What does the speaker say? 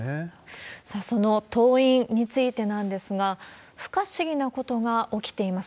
さあ、その党員についてなんですが、不可思議なことが起きています。